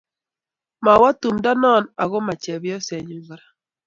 Mawe tumdo nok ama chepyosenyu kora